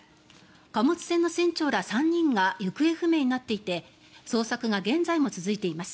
貨物船の船長ら３人が行方不明になっていて捜索が現在も続いています。